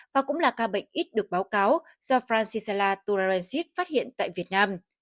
và cũng là ca bệnh ít được báo cáo do francisella tularensis phát hiện tại việt nam